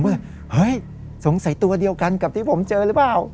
เฮ้ยสงสัยตัวเดียวกันกับที่ผมเจอหรือเปล่า